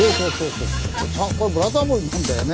これ「ブラタモリ」なんだよね。